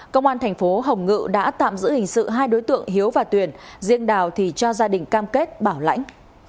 công an thành phố hồng ngự đã tạm giữ hình sự hai đối tượng hiếu và tuyền riêng đào thì cho gia đình cam kết bảo lãnh